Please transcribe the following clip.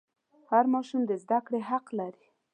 هر ماشوم د زده کړې حق لري.